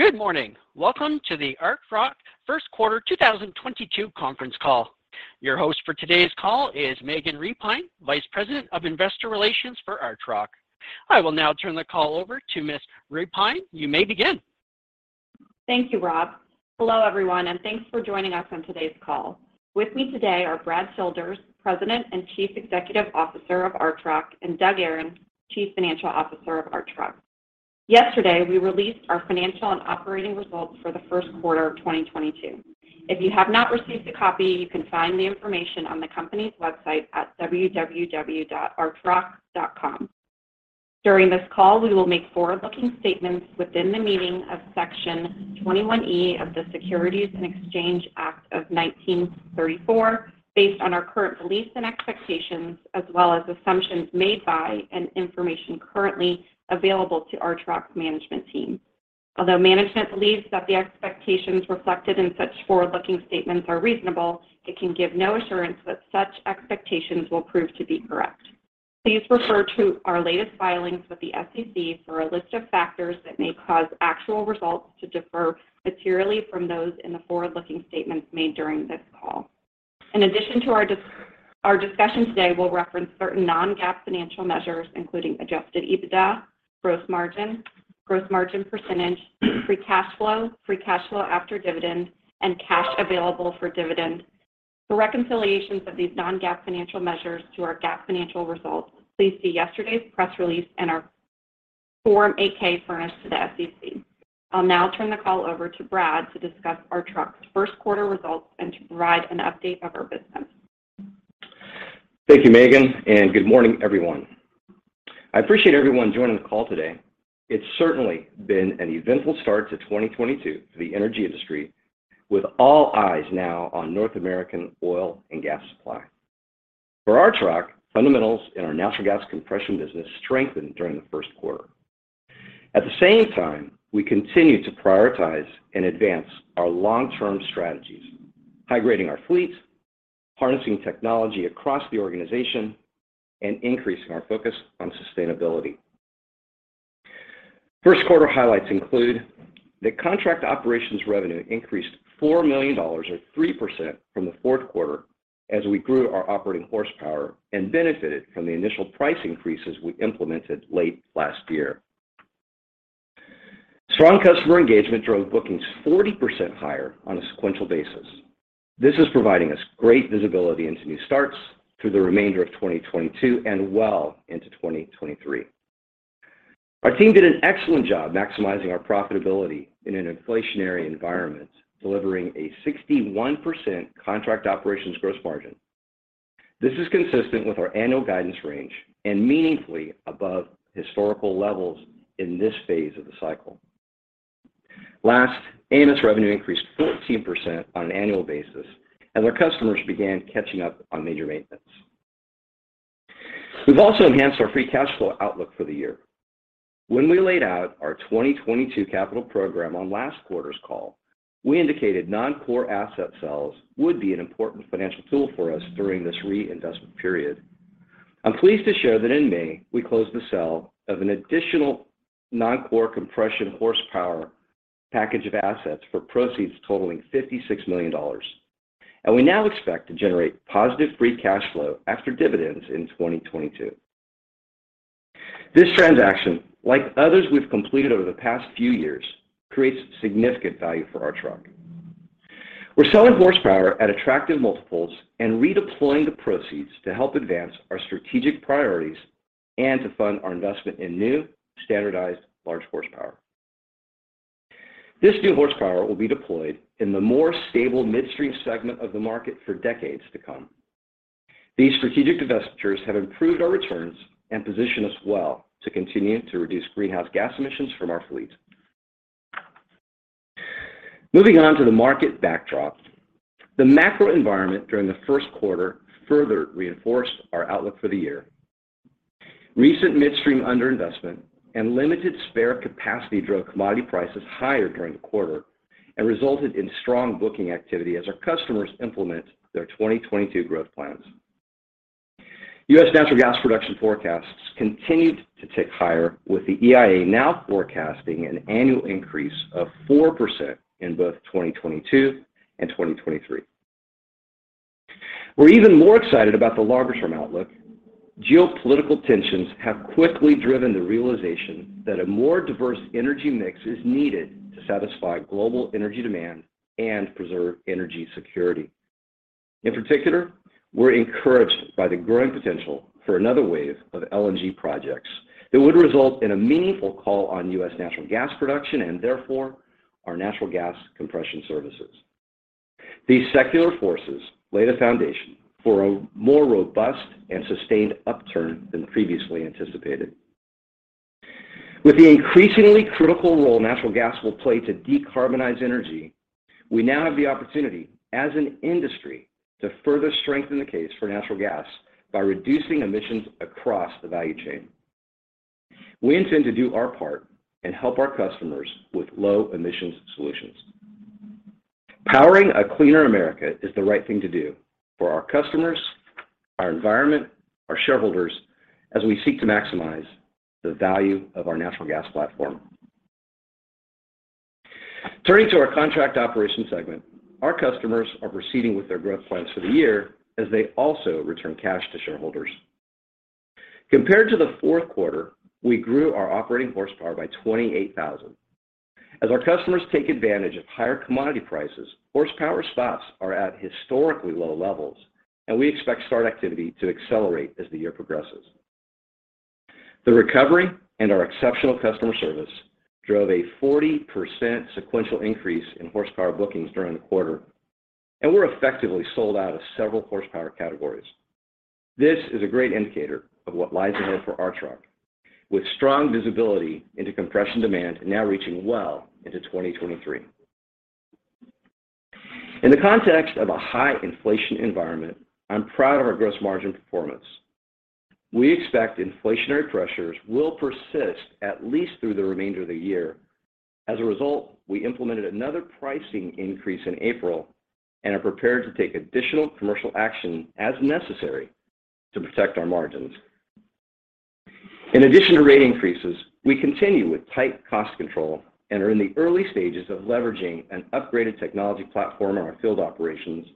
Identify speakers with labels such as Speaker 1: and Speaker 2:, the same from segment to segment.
Speaker 1: Good morning. Welcome to the Archrock First Quarter 2022 Conference Call. Your host for today's call is Megan Repine, Vice President of Investor Relations for Archrock. I will now turn the call over to Miss Repine. You may begin.
Speaker 2: Thank you, Rob. Hello, everyone, and thanks for joining us on today's call. With me today are Brad Childers, President and Chief Executive Officer of Archrock, and Doug Aron, Chief Financial Officer of Archrock. Yesterday, we released our financial and operating results for the first quarter of 2022. If you have not received a copy, you can find the information on the company's website at www.archrock.com. During this call, we will make forward-looking statements within the meaning of Section 21E of the Securities Exchange Act of 1934 based on our current beliefs and expectations as well as assumptions made by and information currently available to Archrock management team. Although management believes that the expectations reflected in such forward-looking statements are reasonable, it can give no assurance that such expectations will prove to be correct. Please refer to our latest filings with the SEC for a list of factors that may cause actual results to differ materially from those in the forward-looking statements made during this call. In addition, our discussion today will reference certain non-GAAP financial measures, including adjusted EBITDA, gross margin, gross margin percentage, free cash flow, free cash flow after dividend, and cash available for dividend. For reconciliations of these non-GAAP financial measures to our GAAP financial results, please see yesterday's press release and our Form 8-K furnished to the SEC. I'll now turn the call over to Brad to discuss Archrock's first quarter results and to provide an update of our business.
Speaker 3: Thank you, Megan, and good morning, everyone. I appreciate everyone joining the call today. It's certainly been an eventful start to 2022 for the energy industry with all eyes now on North American oil and gas supply. For Archrock, fundamentals in our natural gas compression business strengthened during the first quarter. At the same time, we continue to prioritize and advance our long-term strategies, high grading our fleet, harnessing technology across the organization, and increasing our focus on sustainability. First quarter highlights include the Contract Operations revenue increased $4 million or 3% from the fourth quarter as we grew our operating horsepower and benefited from the initial price increases we implemented late last year. Strong customer engagement drove bookings 40% higher on a sequential basis. This is providing us great visibility into new starts through the remainder of 2022 and well into 2023. Our team did an excellent job maximizing our profitability in an inflationary environment, delivering a 61% Contract Operations gross margin. This is consistent with our annual guidance range and meaningfully above historical levels in this phase of the cycle. Last, AMS revenue increased 14% on an annual basis as our customers began catching up on major maintenance. We've also enhanced our free cash flow outlook for the year. When we laid out our 2022 capital program on last quarter's call, we indicated non-core asset sales would be an important financial tool for us during this reinvestment period. I'm pleased to share that in May, we closed the sale of an additional non-core compression horsepower package of assets for proceeds totaling $56 million. We now expect to generate positive free cash flow after dividends in 2022. This transaction, like others we've completed over the past few years, creates significant value for Archrock. We're selling horsepower at attractive multiples and redeploying the proceeds to help advance our strategic priorities and to fund our investment in new standardized large horsepower. This new horsepower will be deployed in the more stable midstream segment of the market for decades to come. These strategic divestitures have improved our returns and position us well to continue to reduce greenhouse gas emissions from our fleet. Moving on to the market backdrop. The macro environment during the first quarter further reinforced our outlook for the year. Recent midstream under-investment and limited spare capacity drove commodity prices higher during the quarter and resulted in strong booking activity as our customers implement their 2022 growth plans. U.S. natural gas production forecasts continued to tick higher with the EIA now forecasting an annual increase of 4% in both 2022 and 2023. We're even more excited about the longer-term outlook. Geopolitical tensions have quickly driven the realization that a more diverse energy mix is needed to satisfy global energy demand and preserve energy security. In particular, we're encouraged by the growing potential for another wave of LNG projects that would result in a meaningful call on U.S. natural gas production and therefore our natural gas compression services. These secular forces lay the foundation for a more robust and sustained upturn than previously anticipated. With the increasingly critical role natural gas will play to decarbonize energy, we now have the opportunity as an industry to further strengthen the case for natural gas by reducing emissions across the value chain. We intend to do our part and help our customers with low emissions solutions. Powering a cleaner America is the right thing to do for our customers, our environment, our shareholders, as we seek to maximize the value of our natural gas platform. Turning to our Contract Operations segment, our customers are proceeding with their growth plans for the year as they also return cash to shareholders. Compared to the fourth quarter, we grew our operating horsepower by 28,000. As our customers take advantage of higher commodity prices, horsepower spots are at historically low levels, and we expect start activity to accelerate as the year progresses. The recovery and our exceptional customer service drove a 40% sequential increase in horsepower bookings during the quarter, and we're effectively sold out of several horsepower categories. This is a great indicator of what lies ahead for Archrock, with strong visibility into compression demand now reaching well into 2023. In the context of a high inflation environment, I'm proud of our gross margin performance. We expect inflationary pressures will persist at least through the remainder of the year. As a result, we implemented another pricing increase in April and are prepared to take additional commercial action as necessary to protect our margins. In addition to rate increases, we continue with tight cost control and are in the early stages of leveraging an upgraded technology platform on our field operations,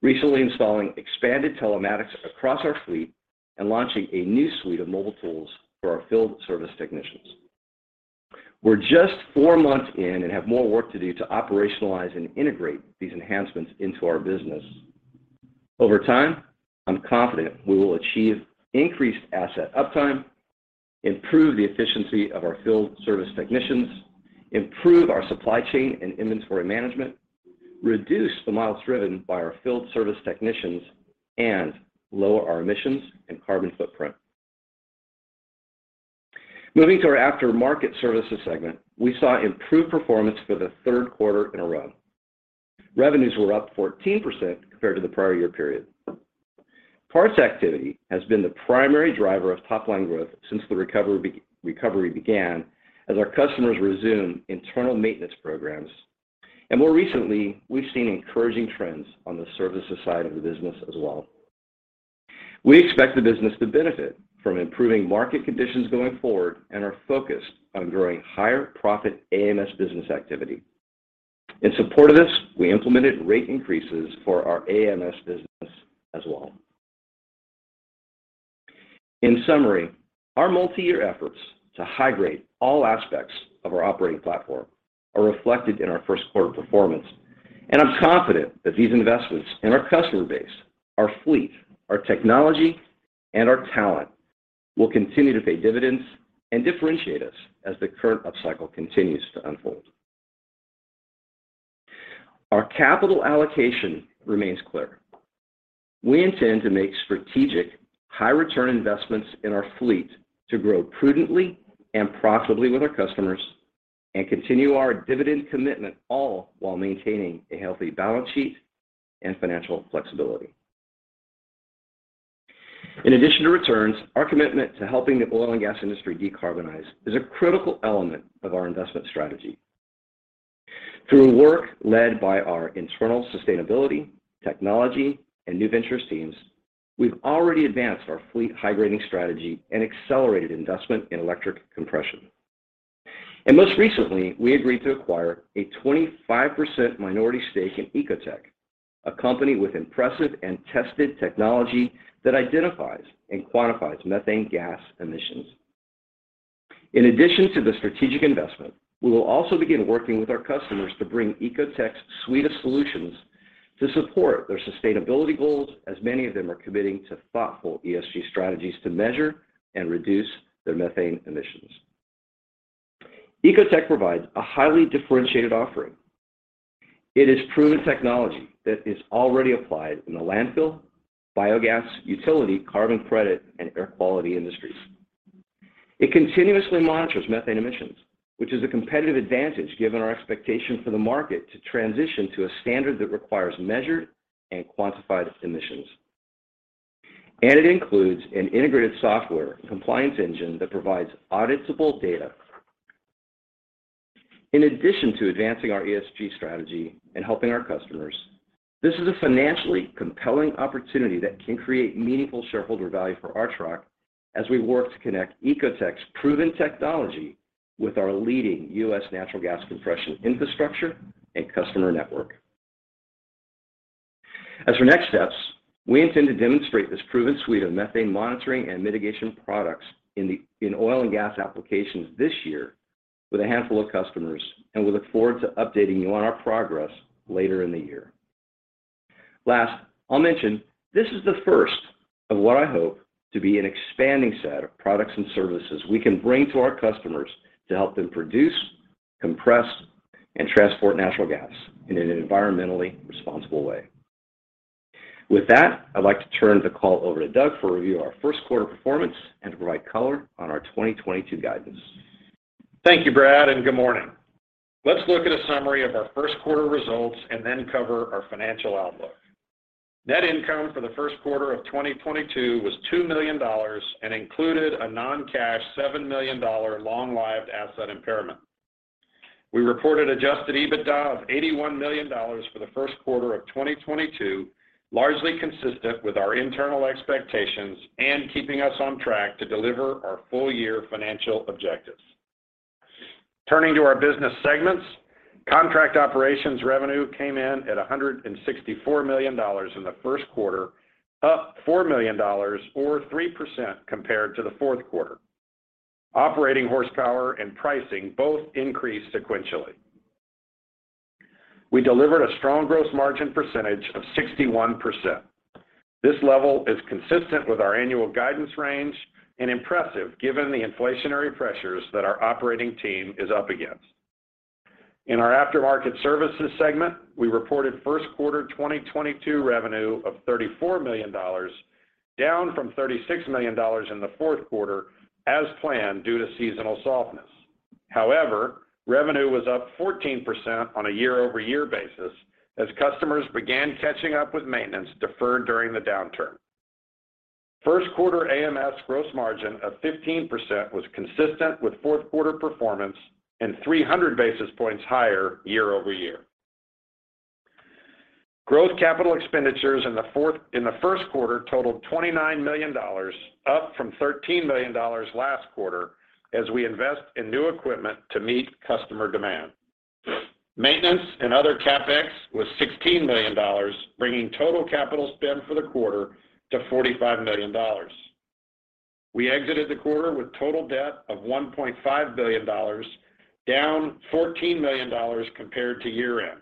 Speaker 3: recently installing expanded telematics across our fleet and launching a new suite of mobile tools for our field service technicians. We're just four months in and have more work to do to operationalize and integrate these enhancements into our business. Over time, I'm confident we will achieve increased asset uptime, improve the efficiency of our field service technicians, improve our supply chain and inventory management, reduce the miles driven by our field service technicians, and lower our emissions and carbon footprint. Moving to our Aftermarket Services segment, we saw improved performance for the third quarter in a row. Revenues were up 14% compared to the prior-year period. Parts activity has been the primary driver of top-line growth since the recovery began as our customers resumed internal maintenance programs. More recently, we've seen encouraging trends on the services side of the business as well. We expect the business to benefit from improving market conditions going forward and are focused on growing higher profit AMS business activity. In support of this, we implemented rate increases for our AMS business as well. In summary, our multi-year efforts to high grade all aspects of our operating platform are reflected in our first quarter performance. I'm confident that these investments in our customer base, our fleet, our technology, and our talent will continue to pay dividends and differentiate us as the current upcycle continues to unfold. Our capital allocation remains clear. We intend to make strategic high return investments in our fleet to grow prudently and profitably with our customers and continue our dividend commitment, all while maintaining a healthy balance sheet and financial flexibility. In addition to returns, our commitment to helping the oil and gas industry decarbonize is a critical element of our investment strategy. Through work led by our internal sustainability, technology, and new ventures teams, we've already advanced our fleet high grading strategy and accelerated investment in electric compression. Most recently, we agreed to acquire a 25% minority stake in Ecotec, a company with impressive and tested technology that identifies and quantifies methane gas emissions. In addition to the strategic investment, we will also begin working with our customers to bring Ecotec's suite of solutions to support their sustainability goals, as many of them are committing to thoughtful ESG strategies to measure and reduce their methane emissions. Ecotec provides a highly differentiated offering. It is proven technology that is already applied in the landfill, biogas, utility, carbon credit, and air quality industries. It continuously monitors methane emissions, which is a competitive advantage given our expectation for the market to transition to a standard that requires measured and quantified emissions. It includes an integrated software compliance engine that provides auditable data. In addition to advancing our ESG strategy and helping our customers, this is a financially compelling opportunity that can create meaningful shareholder value for Archrock as we work to connect Ecotec's proven technology with our leading U.S. natural gas compression infrastructure and customer network. As for next steps, we intend to demonstrate this proven suite of methane monitoring and mitigation products in oil and gas applications this year with a handful of customers, and we look forward to updating you on our progress later in the year. Last, I'll mention this is the first of what I hope to be an expanding set of products and services we can bring to our customers to help them produce, compress, and transport natural gas in an environmentally responsible way. With that, I'd like to turn the call over to Doug for a review of our first quarter performance and to provide color on our 2022 guidance.
Speaker 4: Thank you, Brad, and good morning. Let's look at a summary of our first quarter results and then cover our financial outlook. Net income for the first quarter of 2022 was $2 million and included a non-cash $7 million long-lived asset impairment. We reported adjusted EBITDA of $81 million for the first quarter of 2022, largely consistent with our internal expectations and keeping us on track to deliver our full-year financial objectives. Turning to our business segments, Contract Operations revenue came in at $164 million in the first quarter, up $4 million or 3% compared to the fourth quarter. Operating horsepower and pricing both increased sequentially. We delivered a strong gross margin percentage of 61%. This level is consistent with our annual guidance range and impressive given the inflationary pressures that our operating team is up against. In our Aftermarket Services segment, we reported first quarter 2022 revenue of $34 million, down from $36 million in the fourth quarter as planned due to seasonal softness. However, revenue was up 14% on a year-over-year basis as customers began catching up with maintenance deferred during the downturn. First quarter AMS gross margin of 15% was consistent with fourth quarter performance and 300 basis points higher year-over-year. Growth capital expenditures in the first quarter totaled $29 million, up from $13 million last quarter as we invest in new equipment to meet customer demand. Maintenance and other CapEx was $16 million, bringing total capital spend for the quarter to $45 million. We exited the quarter with total debt of $1.5 billion, down $14 million compared to year end.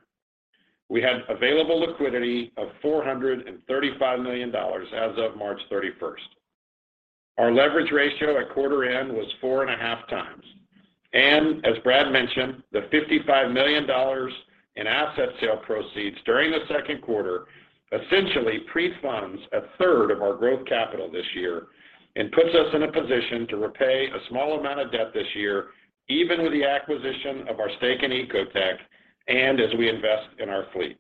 Speaker 4: We had available liquidity of $435 million as of March 31st. Our leverage ratio at quarter end was 4.5x. As Brad mentioned, the $55 million in asset sale proceeds during the second quarter essentially pre-funds a third of our growth capital this year and puts us in a position to repay a small amount of debt this year, even with the acquisition of our stake in Ecotec and as we invest in our fleet.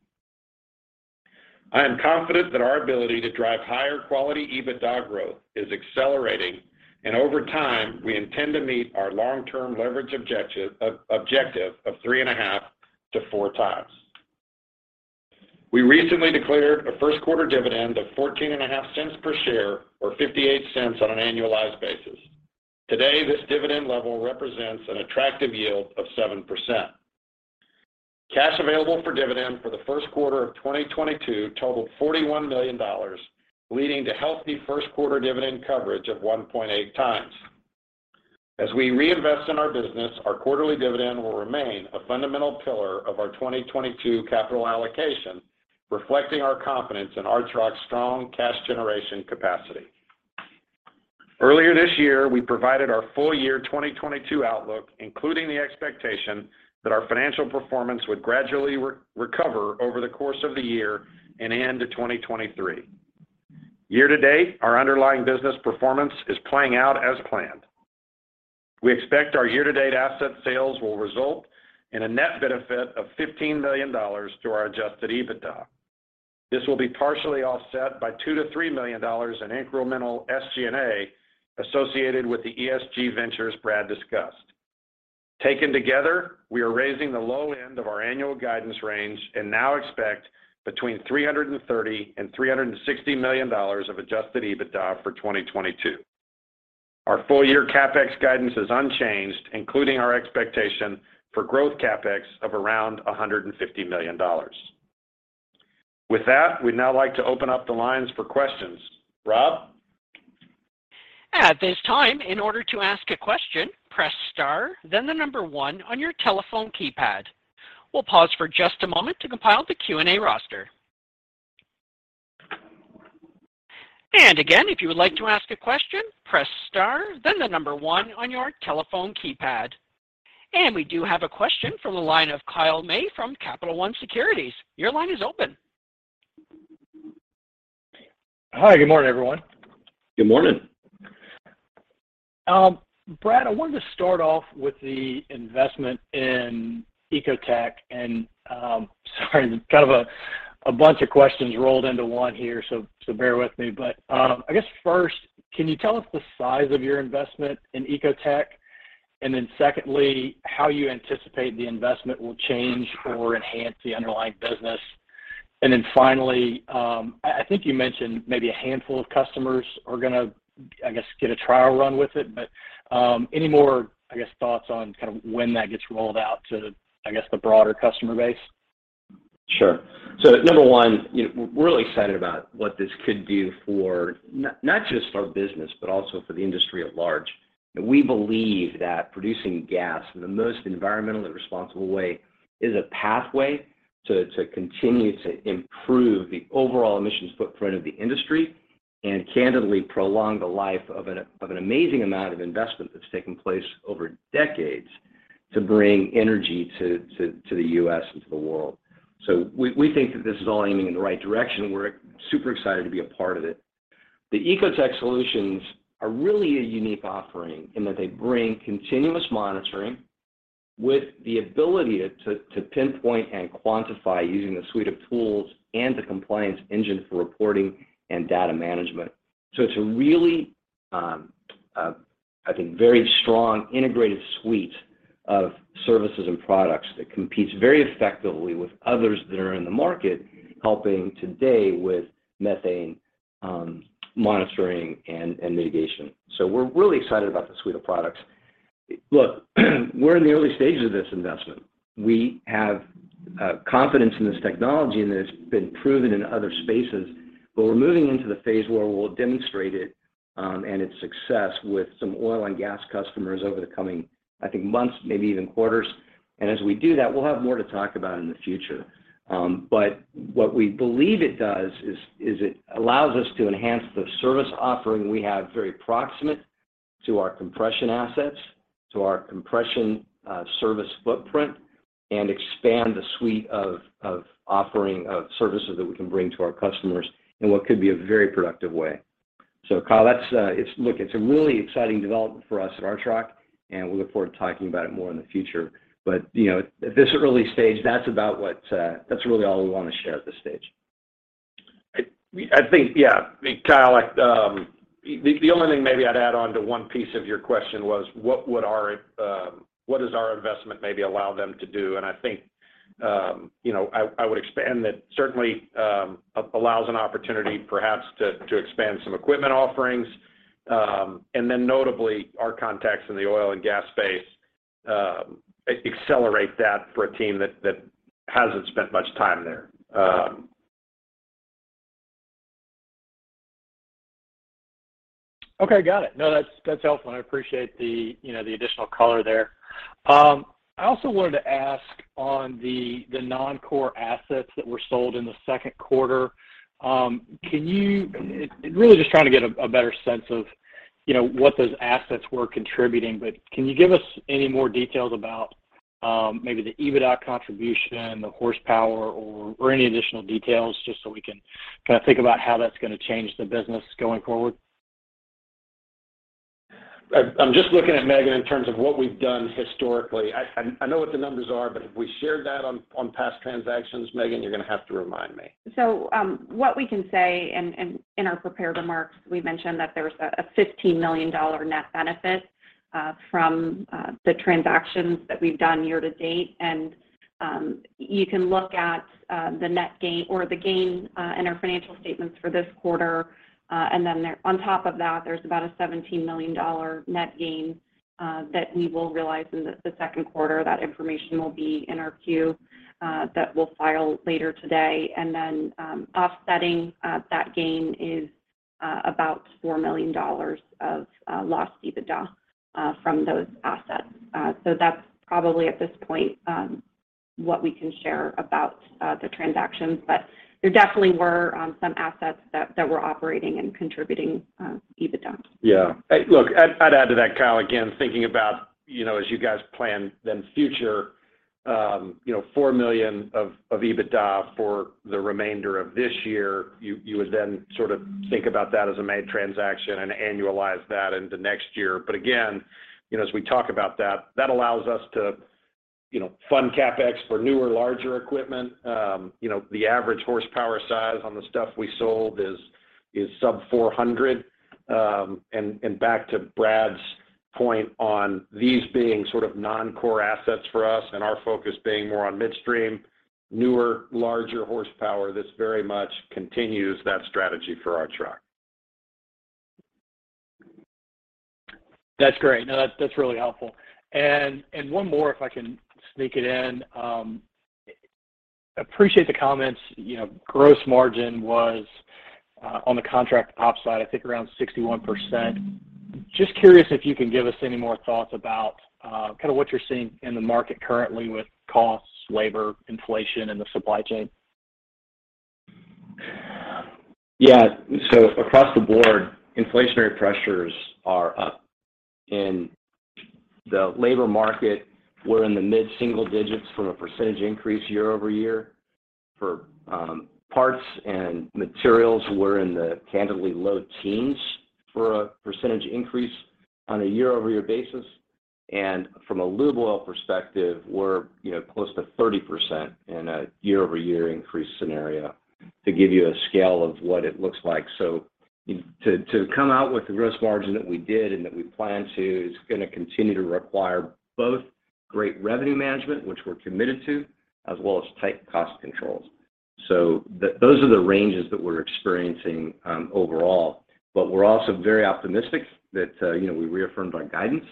Speaker 4: I am confident that our ability to drive higher quality EBITDA growth is accelerating, and over time, we intend to meet our long-term leverage objective of 3.5x-4x. We recently declared a first quarter dividend of $0.145 per share, or $0.58 on an annualized basis. Today, this dividend level represents an attractive yield of 7%. Cash available for dividend for the first quarter of 2022 totaled $41 million, leading to healthy first quarter dividend coverage of 1.8x. As we reinvest in our business, our quarterly dividend will remain a fundamental pillar of our 2022 capital allocation, reflecting our confidence in Archrock's strong cash generation capacity. Earlier this year, we provided our full year 2022 outlook, including the expectation that our financial performance would gradually recover over the course of the year and into 2023. Year-to-date, our underlying business performance is playing out as planned. We expect our year-to-date asset sales will result in a net benefit of $15 million to our adjusted EBITDA. This will be partially offset by $2 million-$3 million in incremental SG&A associated with the ESG ventures Brad discussed. Taken together, we are raising the low end of our annual guidance range and now expect between $330 million and $360 million of adjusted EBITDA for 2022. Our full-year CapEx guidance is unchanged, including our expectation for growth CapEx of around $150 million. With that, we'd now like to open up the lines for questions. Rob?
Speaker 1: At this time, in order to ask a question, press star, then the number one on your telephone keypad. We'll pause for just a moment to compile the Q&A roster. Again, if you would like to ask a question, press star, then the number one on your telephone keypad. We do have a question from the line of Kyle May from Capital One Securities. Your line is open.
Speaker 5: Hi. Good morning, everyone.
Speaker 3: Good morning.
Speaker 5: Brad, I wanted to start off with the investment in Ecotec. Sorry, kind of a bunch of questions rolled into one here. Bear with me. I guess first, can you tell us the size of your investment in Ecotec? Secondly, how you anticipate the investment will change or enhance the underlying business? Finally, I think you mentioned maybe a handful of customers are gonna get a trial run with it. Any more thoughts on kind of when that gets rolled out to the broader customer base?
Speaker 3: Sure. Number one, you know, we're really excited about what this could do for not just our business, but also for the industry at large. We believe that producing gas in the most environmentally responsible way is a pathway to continue to improve the overall emissions footprint of the industry and candidly prolong the life of an amazing amount of investment that's taken place over decades to bring energy to the U.S. and to the world. We think that this is all aiming in the right direction. We're super excited to be a part of it. The Ecotec solutions are really a unique offering in that they bring continuous monitoring. With the ability to pinpoint and quantify using a suite of tools and the compliance engine for reporting and data management. It's a really, I think very strong integrated suite of services and products that competes very effectively with others that are in the market helping today with methane monitoring and mitigation. We're really excited about this suite of products. Look, we're in the early stages of this investment. We have confidence in this technology, and it has been proven in other spaces. We're moving into the phase where we'll demonstrate it and its success with some oil and gas customers over the coming, I think, months, maybe even quarters. As we do that, we'll have more to talk about in the future. What we believe it does is it allows us to enhance the service offering we have very proximate to our compression assets, to our compression service footprint, and expand the suite of offering of services that we can bring to our customers in what could be a very productive way. Kyle, that's it. Look, it's a really exciting development for us at Archrock, and we look forward to talking about it more in the future. You know, at this early stage, that's about what that's really all we want to share at this stage.
Speaker 4: I think, yeah. I mean, Kyle, like, the only thing maybe I'd add on to one piece of your question was what does our investment maybe allow them to do? I think, you know, I would expand that certainly allows an opportunity perhaps to expand some equipment offerings. Notably our contacts in the oil and gas space accelerate that for a team that hasn't spent much time there.
Speaker 5: Okay. Got it. No, that's helpful, and I appreciate the, you know, the additional color there. I also wanted to ask on the non-core assets that were sold in the second quarter, really just trying to get a better sense of, you know, what those assets were contributing. Can you give us any more details about, maybe the EBITDA contribution, the horsepower or any additional details just so we can kind of think about how that's gonna change the business going forward?
Speaker 4: I'm just looking at Megan in terms of what we've done historically. I know what the numbers are, but if we shared that on past transactions, Megan, you're gonna have to remind me.
Speaker 2: What we can say and in our prepared remarks, we mentioned that there was a $15 million net benefit from the transactions that we've done year to date. You can look at the net gain or the gain in our financial statements for this quarter. On top of that, there's about a $17 million net gain that we will realize in the second quarter. That information will be in our 10-Q that we'll file later today. Offsetting that gain is about $4 million of lost EBITDA from those assets. That's probably at this point what we can share about the transactions. There definitely were some assets that were operating and contributing EBITDA.
Speaker 4: Yeah. Look, I'd add to that, Kyle, again, thinking about, you know, as you guys plan the future, you know, $4 million of EBITDA for the remainder of this year, you would then sort of think about that as an M&A transaction and annualize that into next year. Again, you know, as we talk about that allows us to, you know, fund CapEx for newer, larger equipment. You know, the average horsepower size on the stuff we sold is sub-400. And back to Brad's point on these being sort of non-core assets for us and our focus being more on midstream, newer, larger horsepower, this very much continues that strategy for Archrock.
Speaker 5: That's great. No, that's really helpful. One more if I can sneak it in. Appreciate the comments. You know, gross margin was on the contract ops side, I think around 61%. Just curious if you can give us any more thoughts about kind of what you're seeing in the market currently with costs, labor, inflation, and the supply chain.
Speaker 3: Yeah. Across the board, inflationary pressures are up. In the labor market, we're in the mid-single-digits for a percentage increase year-over-year. For parts and materials, we're in the candidly low teens% on a year-over-year basis. From a lube oil perspective, we're, you know, close to 30% in a year-over-year increase scenario to give you a scale of what it looks like. To come out with the gross margin that we did and that we plan to is gonna continue to require both great revenue management, which we're committed to, as well as tight cost controls. Those are the ranges that we're experiencing overall. We're also very optimistic that, you know, we reaffirmed our guidance,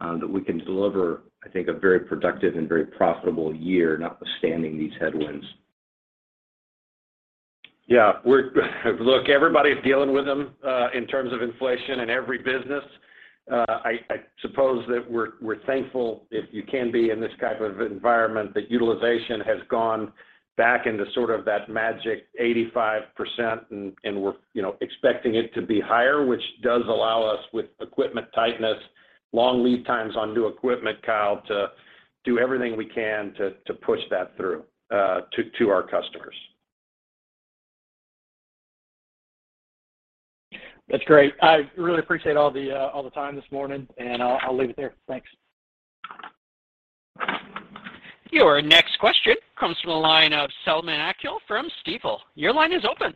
Speaker 3: that we can deliver, I think, a very productive and very profitable year notwithstanding these headwinds.
Speaker 4: Yeah. Look, everybody's dealing with them in terms of inflation in every business. I suppose that we're thankful if you can be in this type of environment that utilization has gone back into sort of that magic 85% and we're, you know, expecting it to be higher, which does allow us with equipment tightness, long lead times on new equipment, Kyle, to do everything we can to push that through to our customers.
Speaker 5: That's great. I really appreciate all the time this morning, and I'll leave it there. Thanks.
Speaker 1: Your next question comes from the line of Selman Akyol from Stifel. Your line is open.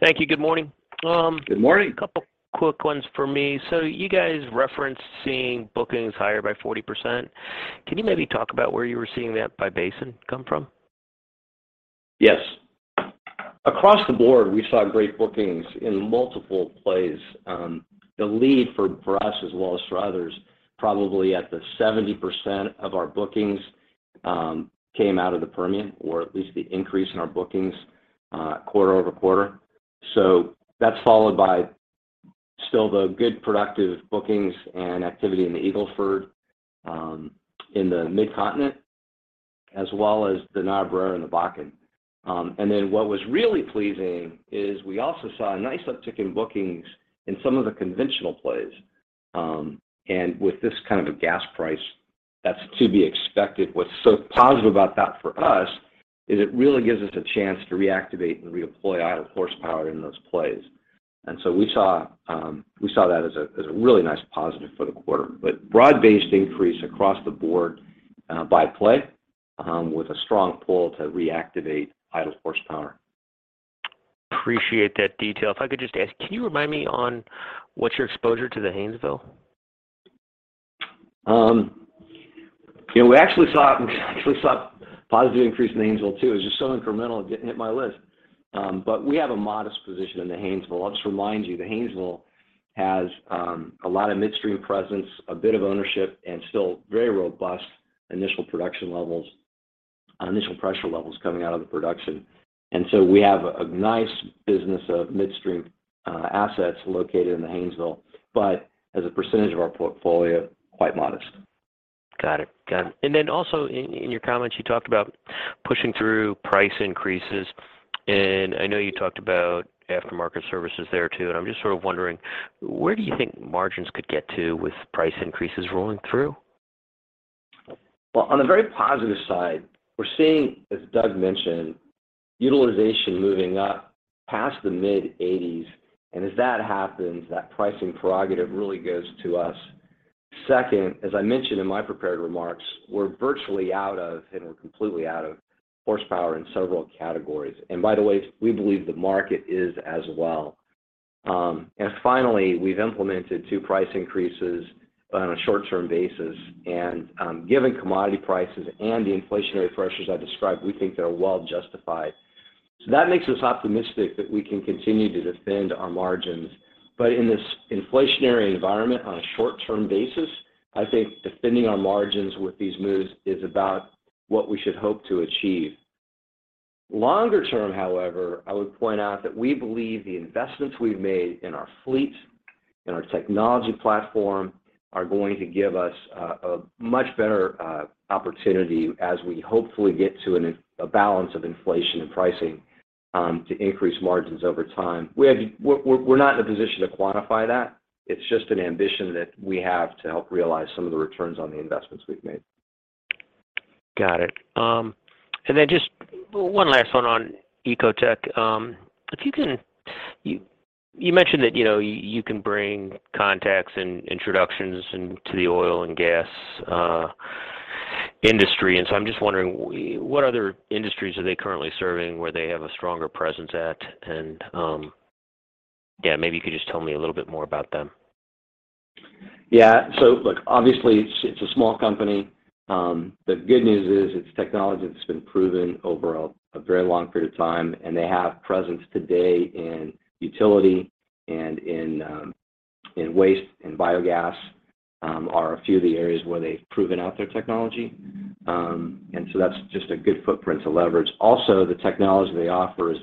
Speaker 6: Thank you. Good morning.
Speaker 3: Good morning.
Speaker 6: A couple quick ones for me. You guys referenced seeing bookings higher by 40%. Can you maybe talk about where you were seeing that by basin come from?
Speaker 3: Yes. Across the board, we saw great bookings in multiple plays. The lead for us as well as for others, probably at the 70% of our bookings, came out of the Permian, or at least the increase in our bookings, quarter-over-quarter. That's followed by still the good productive bookings and activity in the Eagle Ford, in the Mid-Continent, as well as the Niobrara and the Bakken. What was really pleasing is we also saw a nice uptick in bookings in some of the conventional plays. With this kind of a gas price, that's to be expected. What's so positive about that for us is it really gives us a chance to reactivate and redeploy idle horsepower in those plays. We saw that as a really nice positive for the quarter. Broad-based increase across the board, by play, with a strong pull to reactivate idle horsepower.
Speaker 6: Appreciate that detail. If I could just ask, can you remind me on what's your exposure to the Haynesville?
Speaker 3: You know, we actually saw positive increase in Haynesville too. It's just so incremental it didn't hit my list. But we have a modest position in the Haynesville. I'll just remind you, the Haynesville has a lot of midstream presence, a bit of ownership, and still very robust initial production levels, initial pressure levels coming out of the production. We have a nice business of midstream assets located in the Haynesville. As a percentage of our portfolio, quite modest.
Speaker 6: Got it. Also in your comments, you talked about pushing through price increases. I know you talked about Aftermarket Services there too. I'm just sort of wondering where do you think margins could get to with price increases rolling through?
Speaker 3: Well, on a very positive side, we're seeing, as Doug mentioned, utilization moving up past the mid-80s. As that happens, that pricing prerogative really goes to us. Second, as I mentioned in my prepared remarks, we're virtually out of and completely out of horsepower in several categories. By the way, we believe the market is as well. Finally, we've implemented two price increases on a short-term basis. Given commodity prices and the inflationary pressures I described, we think they're well justified. That makes us optimistic that we can continue to defend our margins. In this inflationary environment, on a short-term basis, I think defending our margins with these moves is about what we should hope to achieve. Longer term, however, I would point out that we believe the investments we've made in our fleet and our technology platform are going to give us a much better opportunity as we hopefully get to a balance of inflation and pricing to increase margins over time. We're not in a position to quantify that. It's just an ambition that we have to help realize some of the returns on the investments we've made.
Speaker 6: Got it. Then just one last one on Ecotec. You mentioned that, you know, you can bring contacts and introductions into the oil and gas industry, and so I'm just wondering what other industries are they currently serving where they have a stronger presence at? Yeah, maybe you could just tell me a little bit more about them.
Speaker 3: Yeah. Look, obviously it's a small company. The good news is it's technology that's been proven over a very long period of time, and they have presence today in utility and in waste and biogas are a few of the areas where they've proven out their technology. That's just a good footprint to leverage. Also, the technology they offer is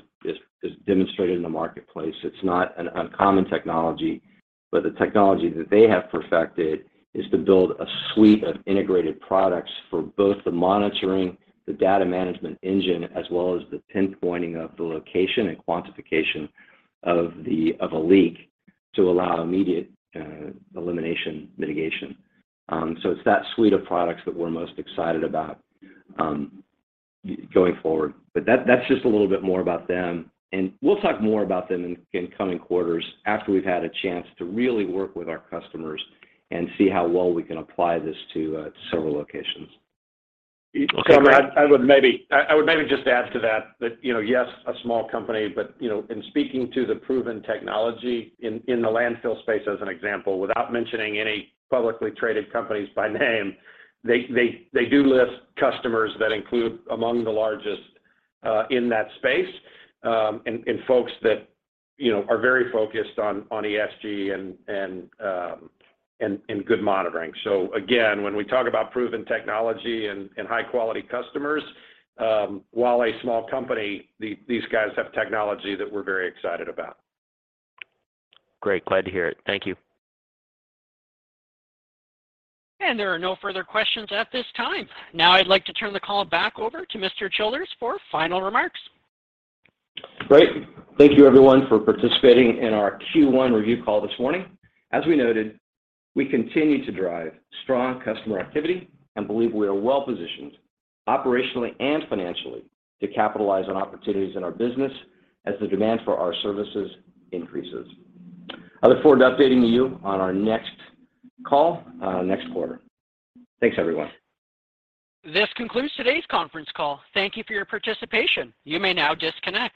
Speaker 3: demonstrated in the marketplace. It's not an uncommon technology, but the technology that they have perfected is to build a suite of integrated products for both the monitoring, the data management engine, as well as the pinpointing of the location and quantification of a leak to allow immediate elimination mitigation. It's that suite of products that we're most excited about going forward. That's just a little bit more about them, and we'll talk more about them in coming quarters after we've had a chance to really work with our customers and see how well we can apply this to several locations.
Speaker 4: Okay. I would maybe just add to that, you know, yes, a small company, but, you know, in speaking to the proven technology in the landfill space as an example, without mentioning any publicly-traded companies by name, they do list customers that include among the largest in that space, and folks that, you know, are very focused on ESG and good monitoring. So again, when we talk about proven technology and high-quality customers, while a small company, these guys have technology that we're very excited about.
Speaker 6: Great. Glad to hear it. Thank you.
Speaker 1: There are no further questions at this time. Now I'd like to turn the call back over to Mr. Childers for final remarks.
Speaker 3: Great. Thank you everyone for participating in our Q1 review call this morning. As we noted, we continue to drive strong customer activity and believe we are well positioned operationally and financially to capitalize on opportunities in our business as the demand for our services increases. I look forward to updating you on our next call, next quarter. Thanks everyone.
Speaker 1: This concludes today's conference call. Thank you for your participation. You may now disconnect.